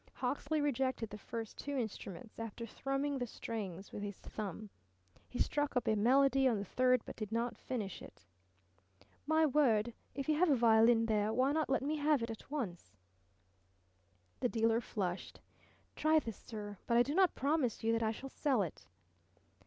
Hawksley rejected the first two instruments after thrumming the strings with his thumb. He struck up a melody on the third but did not finish it. "My word! If you have a violin there why not let me have it at once?" The dealer flushed. "Try this, sir. But I do not promise you that I shall sell it."